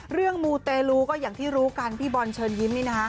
มูเตลูก็อย่างที่รู้กันพี่บอลเชิญยิ้มนี่นะคะ